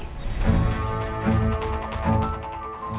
belum pulang sampe jam segini